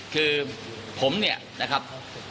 คือผมเนี่ยนะครับ